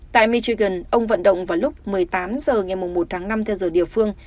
tại mitrigan ông vận động vào lúc một mươi tám h ngày một tháng năm theo giờ địa phương